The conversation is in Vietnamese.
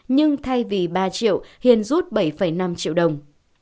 nhưng thay vì ba triệu hiền rút bảy năm triệu đồng